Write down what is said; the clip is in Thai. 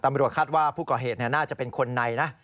ตำรวจคาดว่าผู้ก่อเหตุน่าจะเป็นคนในนะ